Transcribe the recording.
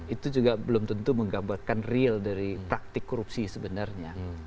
itu juga belum tentu menggambarkan real dari praktik korupsi sebenarnya